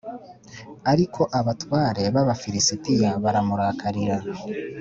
Ariko abatware b Abafilisitiya baramurakarira